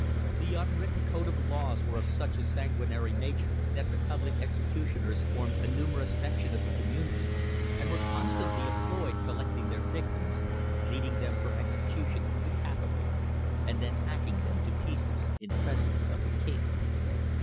The unwritten code of laws were of such a sanguinary nature, that the public executioners formed a numerous section of the community and were constantly employed collecting their victims, leading them for exhibition through the capital and then hacking them to pieces in presence of the king.